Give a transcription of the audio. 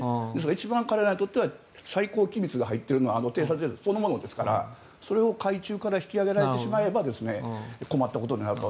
一番、彼らにとっては最高機密が入っているのは偵察衛星そのものですからそれを海中から引き揚げられてしまえば困ったことになると。